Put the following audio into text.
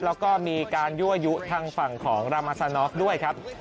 แล้วก็มีการยั่วยุทางฝั่งของรามาซานอฟด้วยครับ